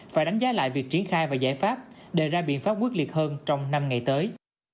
phải đánh giá lại việc triển khai và giải pháp đề ra biện pháp quyết liệt hơn trong năm ngày tới